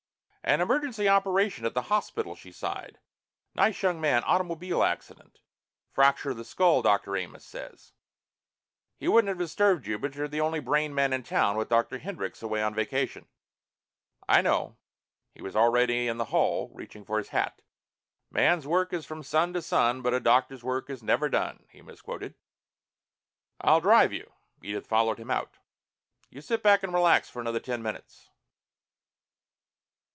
"An emergency operation at the hospital," she sighed. "Nice young man automobile accident. Fracture of the skull, Dr. Amos says. He wouldn't have disturbed you but you're the only brain man in town, with Dr. Hendryx away on vacation." "I know." He was already in the hall, reaching for his hat. "Man's work is from sun to sun, but a doctor's work is never done," he misquoted. "I'll drive you." Edith followed him out. "You sit back and relax for another ten minutes...."